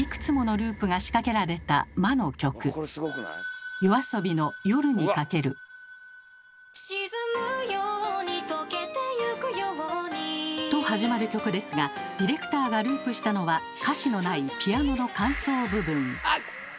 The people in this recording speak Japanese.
続いては沈むように溶けてゆくようにと始まる曲ですがディレクターがループしたのは歌詞のないピアノの間奏部分。